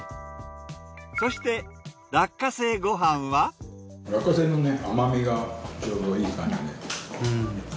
そして落花生の甘みがちょうどいい感じで。